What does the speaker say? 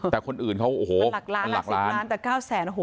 หลักล้านหลักสิบล้านแต่เก้าแสน